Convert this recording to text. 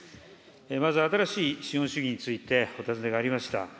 まず新しい資本主義についてお尋ねがありました。